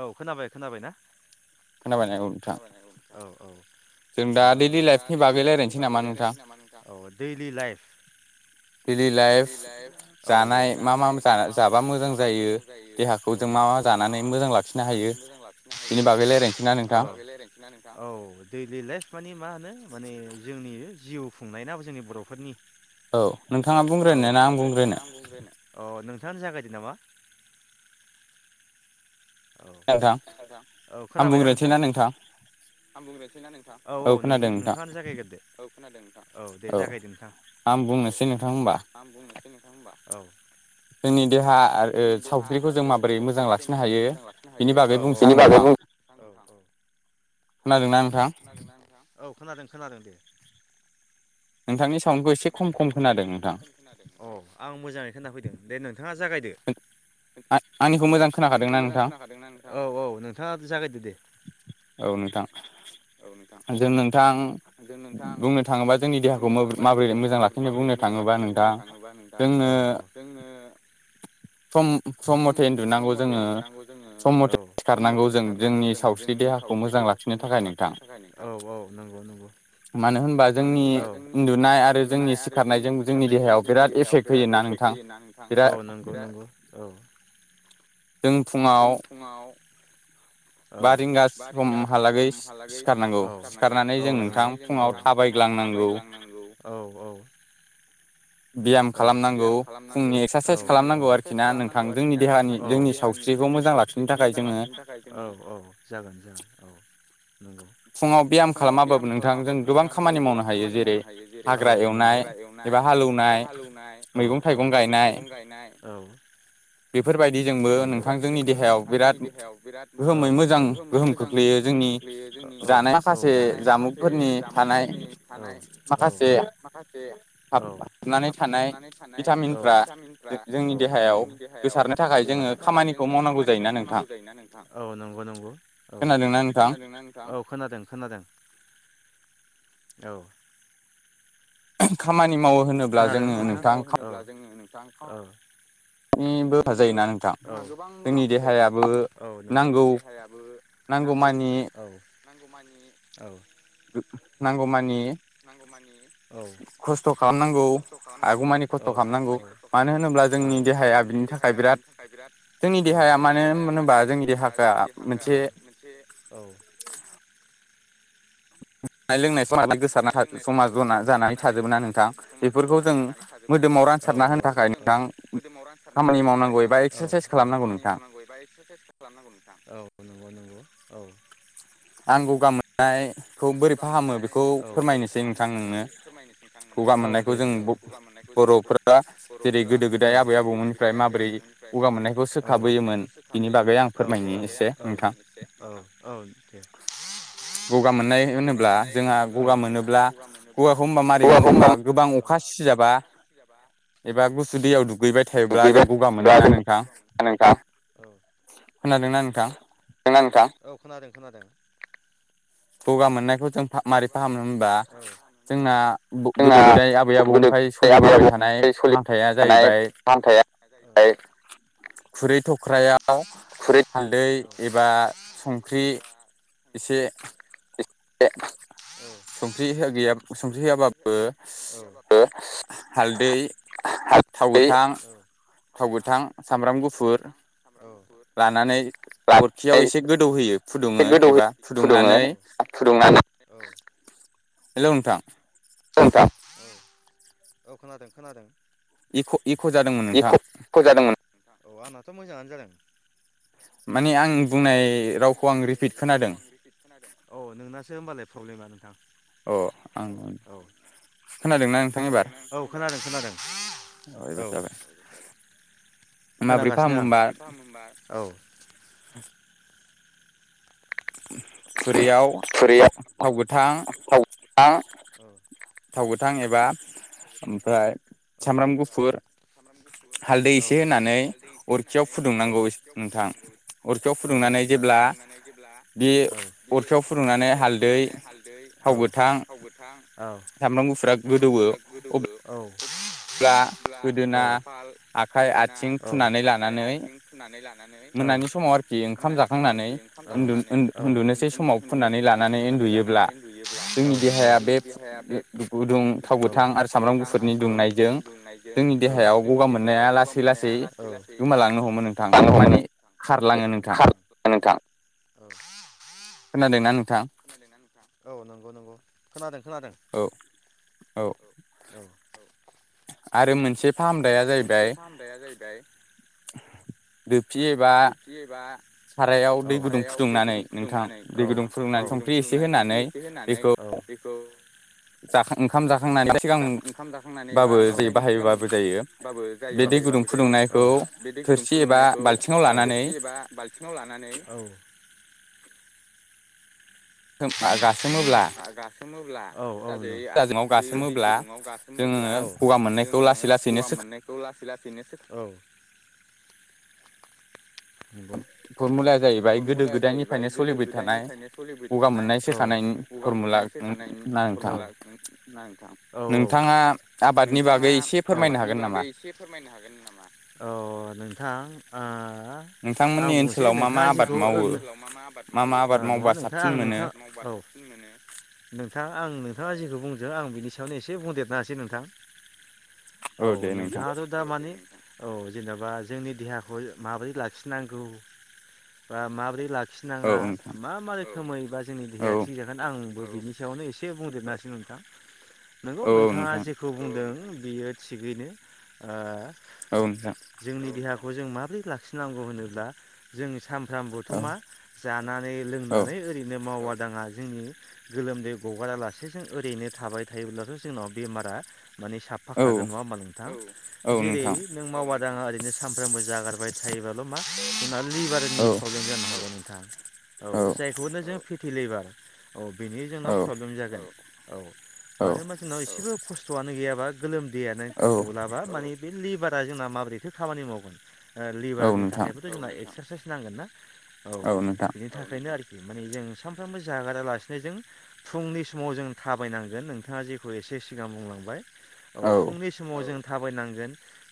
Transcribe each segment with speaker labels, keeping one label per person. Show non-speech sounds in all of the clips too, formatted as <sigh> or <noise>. Speaker 1: औ खोनाबाय खोनाबाय ना? औ औ ओ जों दा दैलि लाइफनि बागै राय्लायनोसै नामा नोंथां औ दैलि लाइफ लाइफ औ जानाय मा मा जाबा मोजां जायो देहा खौ जों मा मा जानानै मोजां लाखिनो हायो बेनिन बागै ओ राय्लायनोसैना नोंथां औ दे <unintelligible> मानिे मा होनो माने जोंनि जिउ खुंनाय न जोंनि बरफोरनि औ औ नोंथांआ बुंग्रोनो ना आं बुंग्रोनो नोंथांआनो जागायदों नामा
Speaker 2: नोंथां आं बुंग्रोसै ना नोंथां
Speaker 1: आं बुंनोसै ना नोंथां औ नों नोंथाङानो जागायग्रोदो औ खोनादों नोंथां औ दे जागायदो नोंथां
Speaker 2: आं बुंनोसै नोंथां होमबा
Speaker 1: होनबा औ
Speaker 2: जोंनि देहा आरो सावस्रिखौ जों माबोरै मोजां लाखिनो हायो बिनि बागै बुंसां आं नोंथां खोनादोंना
Speaker 1: खोनादोंना नोंथां औ खोनादों खोनादों दे <unintelligible> आंनिखौ मोजां खोनाखादोंना नोंथां औ औ नोंथाङा जागायदो दे
Speaker 2: औ नोंथां जों नोंथां बुंनो थाङोबा जोंनि देहाखौ माबोरै माबोरै मोजां लाखिनानै बुंनो थाङोबा नोंथां जोंनो
Speaker 1: औ जोंनो
Speaker 2: सम सम मथे उन्दुनांगौ जोङो सम मथे सिखारनांगौ जों जोंनि सावस्रि देहाखौ। खौ मोजां लाखिनो थाखायनो।
Speaker 1: थाखायनो औ औ नंगौ नंगौ।
Speaker 2: मानो होनबा जोंनि उन्दुनाय आरो जोंनि सिखारनायजों जोंनि देहायाव बिराद एफेक्ट होयोना नों
Speaker 1: फैयोना नोंथां औ नंगौ नंगौ औ।
Speaker 2: जों फुङाव बा रिंगा समहालागै सिखारनांगौ सिखारनानै जों नोंथां फुङाव थाबायगोन।
Speaker 1: थाबायग्लांनांगौ औ औ।
Speaker 2: ब्याम खालामनांगौ फुंनि एक्सासाइस खालामनांगौ आरोखि ना नोंथां जोंनि देहानि जोंनि सावस्रिखौ।
Speaker 1: जोंनि सावस्रिखौ मोजां लाखिनो थाखाय औ औ जागोन जागोन औ नंगौ
Speaker 2: फुङाव बेयाम खालामाबाबो नोंथां जों गोबां खामानि मावनो हायो जेरै हाग्रा एवनाय एबा।
Speaker 1: एबा हालेवनाय औ औ मैगं थाइगं गायनाय औ
Speaker 2: बेफोरबायदिजोंबो नोंथांजोंनि देहायाव बिराद गोहोमै मोजां गोहोम खोख्लैयो जोंनि जानाय माखासे जामुंफोरनि थानाय माखासे
Speaker 1: माखासे औ हाबथाबनानै थानाय भिटामिनफ्रा बेखौ जोंनि देहायाव गोसारनो थाखाय जोङो खामानिखौ मावनांगौ जायोना नोंथां औ नंगौ नंगौ औ खोनादों ना नोंथां औ खोनादों खोनादों औ
Speaker 2: खामानि मावो होनोब्ला जोङो नोंथां
Speaker 1: <unintelligible> निबो गोबां मुलाम्फा जायोना औ नंगौनि देहायाबो नांगौ औ नांगौ मानि औ
Speaker 2: नांगौ मानि खस्थ' खालामनांगौ आगौमानि खस्थ' खालामनांगौ मानो होनोब्ला जों जोंनि
Speaker 1: ज
Speaker 2: देहाया
Speaker 1: <unintelligible> औ
Speaker 2: जानाय लोंनाय <unintelligible> गोसारना था समा जना जानानै थादोंमोन ना नोंथां बेफोरखौ जों मोदोमाव रानसारना होनो था
Speaker 1: खौ जों मोदोमाव रानसारना होनो थाखाय गोबां खामानि मावनांगौ एबा एक्सारसाइस खालामनांगौ नोंथां औ नंगौ नंगौ औ
Speaker 2: आं ग'गा मोनाय
Speaker 1: आं गगा मोननाय औ बोरै फाहामो बेखौ फोरमायनोसै नोंथां नोंनो औ दे दे औ गगा मोन
Speaker 2: बर'फ्रा जेरै गोदो गोदाय आबै आबौमोननिफ्राय माबोरै गगा मोननायखौ सोखाबोयोमोन
Speaker 1: सोखाबोयोमोन औ औ औ औ औ
Speaker 2: गगा मोननाय
Speaker 1: गगा मोननाय होनोब्ला जोंहा गगा मोनोब्ला <unintelligible> गोबां अखा <unintelligible> औ
Speaker 2: खोनादोंना नोंथां?
Speaker 1: औ खोनादों खोनादों
Speaker 2: गगा मोननायखौ जों माबारै फाहामनो होनबा जोंना गोदो गोदाय आबै आबौनिफ्राय सोलिबोबाय थानाय फाहामथाया जाहैबाय
Speaker 1: <unintelligible>
Speaker 2: खुरै थ' ख्रायाव हालदै एबा संख्रि एसे संख्रि होआ गैया संख्रि होआबाबो हालदै थाव गोथां थाव गोथां सामब्राम गुफुर लानानै अरखियाव एसे गोदौहोयो फुदुङो एबा फुदुंनानै हेल' नोंथां
Speaker 1: <unintelligible>
Speaker 2: इख' इख' जादोंमोन नोंथां। माने आं बुंनाय रावखौ आं रिपिट खोनादों।
Speaker 1: औ नोंनासो होनबालाय प्रब्लेमा नोंथां।
Speaker 2: अ आं खोनादोंना
Speaker 1: खोनादों ना औ खोनादों खोनादों औ खोनागासिनो आं माब्रै फाहामो होनबा औ
Speaker 2: <unintelligible> खुरैयाव था थाव गोथां थाव गोथां एबा ओमफ्राय सामब्राम गुफुर हालदै एसे होनानै अरखियाव फुदुंनांगौ नोंथां। अरखियाव फुदुंनानै जेब्ला बे अरखियाव फुदुं
Speaker 1: फुदुंनानै हालदै थाव गोथां औ सामब्राम गुफुरा गोदौओ औ खाफाल गोदोना आखाइ आथिं फुनानै लानानै
Speaker 2: समाव आरोखि ओंखाम जाखांनानै उन्दु-होन-उनदुनोसै समाव फोनानै लानानै
Speaker 1: फुनानै लानानै उन्दुयोब्ला जोंनि देहाया बे गुदुं थाव गोथां आरो साम फोरनि दुंनायजों जोंनि देहायाव गगा मोननाया लासै लासै <unintelligible> <unintelligible>
Speaker 2: खोनादोंना नोंथां
Speaker 1: औ नंगौ नंगौ खोनादों खोनादों औ औ
Speaker 2: आरो मोनसे
Speaker 1: आरो मोनसे फाहामथाया जाहैबाय लोनथि एबा खारायाव दै गुदुं फुदुंनानै दै गुदुं फुदुंनानै संख्रि एसे होनानै
Speaker 2: जाखां ओंखाम जाखांनानै
Speaker 1: ओंखाम जाखांनानै एबा ओंखामनायनि सिगांबाबो जायो बाखायोबाबो जायो बेदि गुदुं फुदुंनायखौ थोरसि एबा बाल्थिङाव लानानै औ
Speaker 2: गासोमोब्ला
Speaker 1: औ दै गुदुङाव गासोमोब्ला जोङो गगा मोननायखौ लासै लासै औ नंगौ
Speaker 2: फरमुलाया जाहैबाय गोदो गोदायनिफ्रायनो सोलिबाय थानाय गगा मोननाय सोखानाय फरमुला
Speaker 1: <unintelligible> औ औ औ नि बागै एसे फोरमायनो हागोन नामा? आं बुंनोसै नोंथाङा जेखौ मा मा आबाद मावो नङा नोंथां आं नोंथाङा औ <unintelligible> नोंथां आं नोंथाङा जेखौ बुंदों आं बिनि सायावनो एसे बुंदेरना होसै नोंथां औ नोंथाङाथ' दा माने औ जेनेबा जोंनि देहाखौ माबोरै लाखि नांगौ बा माबोरै लाखिङा मा मा रोखोमै बा जोंनि देहाया थिग थागोन आंबो बिनि सायावनो एसे बुंदेरना होसै नोंथां। नंगौ नोंथाङा जेखौ बुंदों बियो थिगैनो ओ जोंनि देहाखौ जों माबोरै लाखिनांगौ होनोब्ला जों सामफ्रामबोथुमा जानानै लोंनानै ओरैनो मावा दाङा जोंनि गोलोमदै गगारालासे जों ओरैनो थाबाय थायोब्लाथ' जोंनाव बेमारा मानि साफाखागोन नङा होमब्ला नोंथां जेरै नों मावा दाङा ओरैनो सानफ्रामबो जागारबाय थायोबा <unintelligible> औ जायखौनो जों फेटि लिभार औ बेनि जोंनाव प्रब्लेम जागोन। औ मानो होना जोंनाव एसेबो खस्थ'आनो गैयाबा गोलोमदैयानो गलाबा मानि बे लिभ लिभारा जोंना माबोरैथो खामानि मावगोन लिभारनि थाखायबोथ' जोंना एक्सारसाइस नांगोन ना औ बिनि थाखायनो आरोखि माने जों सानफ्रामबो जागारालासिनो जों फुंनि समाव जों थाबायनांगोन नोंथाङा जेखौ एसे सिगां बुंलांबाय औ फुंनि समाव जों थाबायनांगोन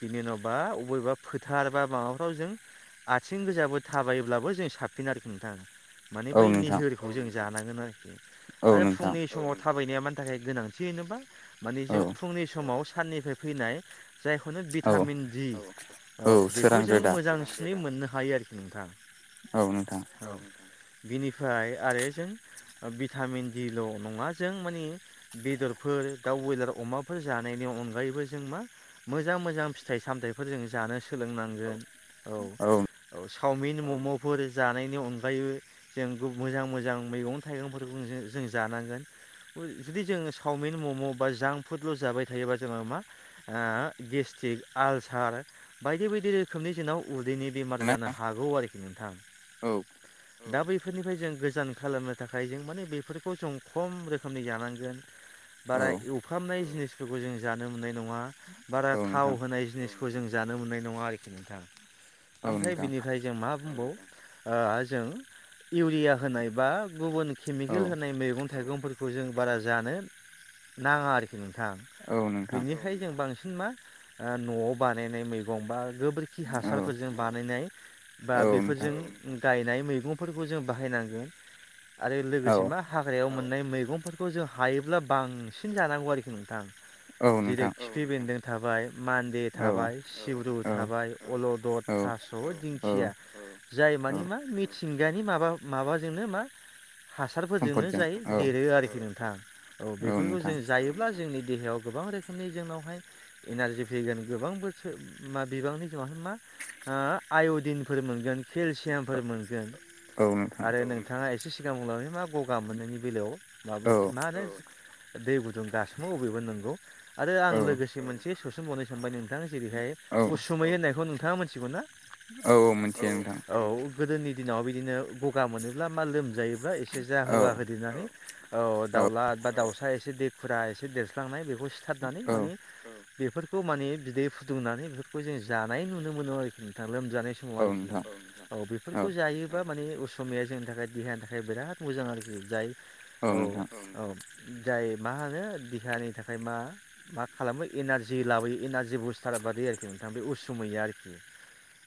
Speaker 1: बिनि उनावबा अबेबा फोथार बा माबाफ्राव जों आथिं गोजाबो थाबायोब्लाबो जों साबसिन आरोखि नोंथाङा माने बै निहोरखौ जों जानांगोन आरोखि आरो फुंनि समाव थाबायनाया मानि थाखाय गोनांथि होनोबा मानि जों फुंनि समाव साननिफ्राय फैनाय जायखौनो भिटामिन दि औ बेखौ जों मोजांसिनै मोननो हायो आरोखि नोंथां
Speaker 2: औ नोंथां
Speaker 1: बिनिफ्राय आरो जों भिटामिन दिल' नङा जों मानि बेदरफो फोर दाउ बयलार अमाफोर जानायनि अनायैबो जों मा मोजां मोजां फिथाइ सामथाइफोर जों जा सोलोंनांगोन औ औ चावमिन मम'फोर जानायनि अनगायैबो जों मोजां मोजां मैगं थाइगंफोरखौ जो जों जानांगोन। जुदि जोङो चावमिन मम' बा जांक फुदल' जाबाय थायोबा जोङो मा गेसनि थिक आलसार बायदि बायदि रोखोमनि जोंनाव उदैनि बेमार जानो हागौ आरोखि नोंथां दा बै बेफोरनिफ्राय जों गोजान खालामनो थाखाय जों माने बेफोरखौ जों खम रोखोमनि जानांगोन। बारा एवफ्रामनाय जिनिसफोरखौ जों जानो मोननाय नङा बारा थाव होनाय जिनिस खौ जों जानो मोननाय नङा आरोखि नोंथां। ओमफ्राय बिनिफ्राय जों मा ओ जों इउरिया होनाय बा गुबुन केमिकेल होनाय मैगं थाइगंफोरखौ जों बारा जानो नाङा आरोखि नोंथां बिनिखायनो बांसिन मा न'आव बानायनाय मैगं बा गोबोरखि हासारफोरजों बानायनाय बा बेफोरजों गायनाय मैगंफोरखौ जों बाहायनांगोन आरो लोगोसे मा हाग्रायाव मोन मैगंफोरखौ जों हायोब्ला बांसिन जानांगौ आरोखि नोंथां जेरै खिफि बेन्दों थाबाय मान्दे थाबाय सिब्रु थाबाय अलदद थास', दिंखिया जाय मानि मा मिथि -थिंगानि माबा माबाजोंनो मा हासारफोरजोंनो जायो देरो आरोखि नोंथां औ बेफोरखौ जों जायोब्ला जोंनि देहायाव गोबां रोखोमनि जोंनावहाय एनारजि फैगोन गोबां बोसोर मा बिबांनि <unintelligible> ओ आय'दिनफोर मोनगोन केलसियामफोर मोनगोन आरो नोंथाङा एसे सिगां बुंलांदों मा गगा मोननायनि बेलायाव माबा मा होनो दै गुदुं गासोमबो अबेबो नंगौ। आरो आं लोगोसे मोनसे सोसनबावनो सानबाय नोंथाङा जेरैहाय उसु मै होननायखौ नोंथाङा मिथिगौ ना औ औ। गोदोनि दिनाव बिदिनो गगा मोनोब्ला मा लोमजायोब्ला एसे जारुवा होदेनानै औ दाउला बा दाउसा एसे दैखुरा एसे देरस्लांनाय बेखौ सिथारनानै माने बेफोरखौ माने बिदै फुदुंनानै बेफोरखौ जों जानाय नुनो मोनो आरोखि नोंथां। जानाय समाव आरोखि औ बेफोरखौ जायोबा माने असमिया जोंनि थाखाय देहानि थाखाय बिराद मोजां आरोखि जाय औ औ। जाय मा होनो देहानि थाखाय मा मा खालामो एनारजि लाबोयो एनारजि बुस्टार बादि आरोखि। नोथां बे उसुमैया आरोखि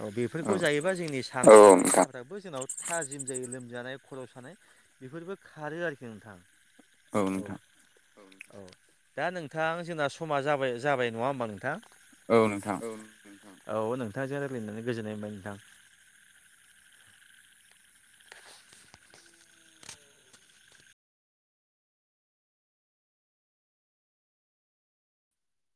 Speaker 1: औ बेफोरखौ जायोबा जोंनि सान बो जोंनाव थाजिम जायो लोमजानाय खर' सानाय बेफोरबो खारो आरोखि नोंथां। औ। औ दा नोंथां जोंना समा जाबाय जाबाय नङा होमबा नोंथां?
Speaker 2: औ नोंथां।
Speaker 1: औ नोंथांजों रायज्लायनानै गोजोननाय मोनबाय नोंथां।